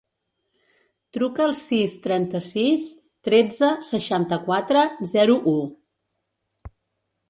Truca al sis, trenta-sis, tretze, seixanta-quatre, zero, u.